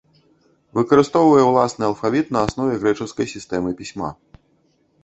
Выкарыстоўвае уласны алфавіт на аснове грэчаскай сістэмы пісьма.